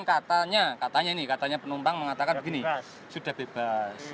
katanya katanya ini katanya penumpang mengatakan begini sudah bebas